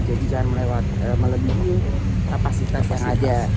jadi jangan melewati kapasitas yang ada